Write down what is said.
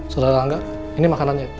saudara angga ini makanannya